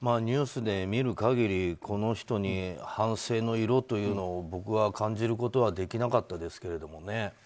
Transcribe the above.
ニュースで見る限り、この人に反省の色というのを僕は感じることはできなかったですけれどもね。